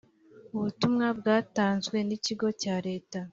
Ubutumwa butanzwe n ikigo cya Leta